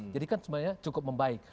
kan sebenarnya cukup membaik